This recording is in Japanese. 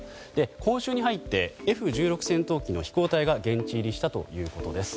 今週に入ってＦ１６戦闘機の飛行隊が現地入りしたということです。